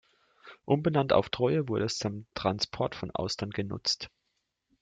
Umbenannt auf "Treue" wurde es zum Transport von Austern genutzt.